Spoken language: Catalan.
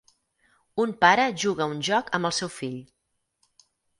Un pare juga a un joc amb el seu fill.